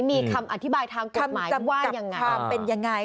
มีคำอธิบายทางกฎหมายคำจำกับคำเป็นอย่างไร